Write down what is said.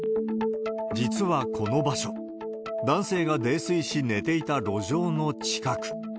実はこの場所、男性が泥酔し寝ていた路上の近く。